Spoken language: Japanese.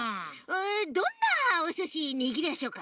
どんなおすしにぎりやしょうか？